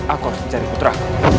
aku harus mencari putra